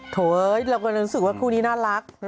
โถยเราก็เลยรู้สึกว่าคู่นี้น่ารัก